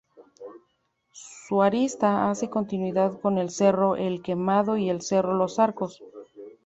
Su arista hace continuidad con el Cerro El Quemado y el Cerro Los Arcos.